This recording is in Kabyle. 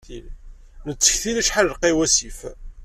Nettektil acḥal lqay wasif.